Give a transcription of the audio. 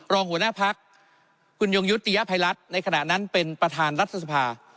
รองหัวหน้าพักคุณยงยุติยภัยรัฐในขณะนั้นเป็นประธานรัฐสภา